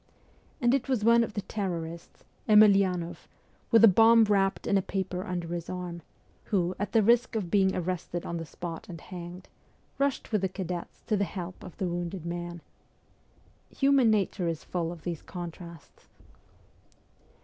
And it was one of the terrorists, Emelianoff, with a bomb wrapped in a paper under his arm, who, N at the risk of being arrested on the spot and hanged, rushed with the cadets to the help of the wounded man. Human nature is full of these contrasts.